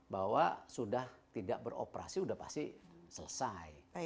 bahwa sudah tidak beroperasi sudah pasti selesai